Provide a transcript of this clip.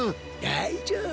だいじょうぶ。